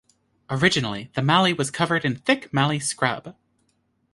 Originally the Mallee was covered in thick mallee scrub.